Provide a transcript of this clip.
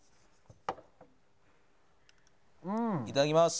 いただきます。